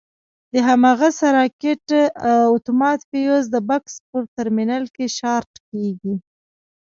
د هماغه سرکټ اتومات فیوز د بکس په ترمینل کې شارټ کېږي.